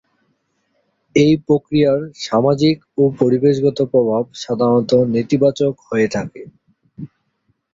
এই প্রক্রিয়ার সামাজিক ও পরিবেশগত প্রভাব সাধারণত নেতিবাচক হয়ে থাকে।